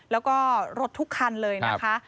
แล้วก็รถทุกคันเลยนะคะ